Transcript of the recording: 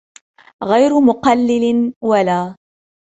غَيْرَ مُقَلِّلٍ وَلَا